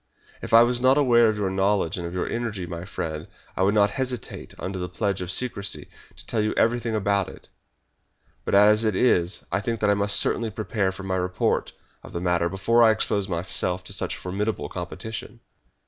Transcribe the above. If I was not aware of your knowledge and of your energy, my friend, I would not hesitate, under the pledge of secrecy, to tell you everything about it. But as it is I think that I must certainly prepare my own report of the matter before I expose myself to such formidable competition."